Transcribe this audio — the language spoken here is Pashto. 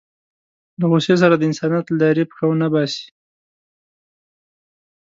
له غوسې سره د انسانيت له دایرې پښه ونه باسي.